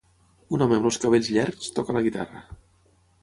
Un home amb els cabells llargs toca la guitarra.